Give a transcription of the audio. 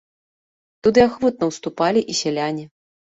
Туды ахвотна ўступалі і сяляне.